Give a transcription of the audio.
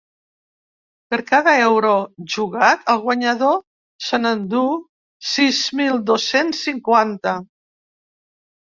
Per cada euro jugat, el guanyador se n’enduu sis mil dos-cents cinquanta.